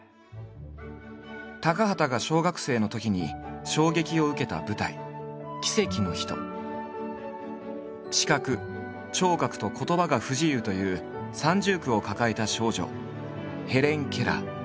高畑が小学生のときに衝撃を受けた舞台視覚聴覚と言葉が不自由という三重苦を抱えた少女ヘレン・ケラー。